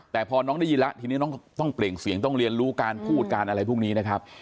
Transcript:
แต่พอน้องได้ยินแล้วทีนี้น้องต้องเปล่งเสียงต้องเรียนรู้การพูดการอะไรพวกนี้นะครับ